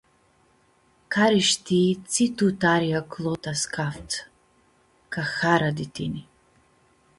Carishtii tsi tut ari aclo ta s-caftsã! Cahara di tini.